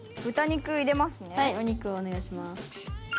はいお肉をお願いします。